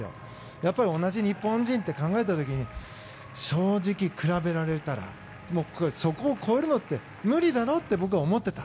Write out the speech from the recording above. やっぱり同じ日本人と考えた時に正直、比べられたらそこを超えるのって無理だろって僕は思ってた。